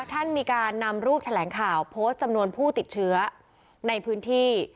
ท่านมีการนำรูปแถลงข่าวโพสต์จำนวนผู้ติดเชื้อในพื้นที่